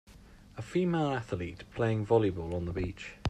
A female athlete playing volleyball on the beach.